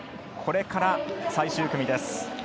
これから最終組です。